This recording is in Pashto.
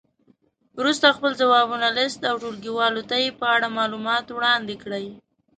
وروسته خپل ځوابونه لیست او ټولګیوالو ته یې په اړه معلومات وړاندې کړئ.